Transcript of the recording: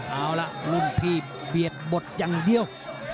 เอาล่ะรุ่นพี่เบียดบทอย่างเดียว